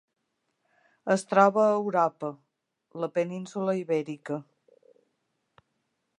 Es troba a Europa: la península Ibèrica.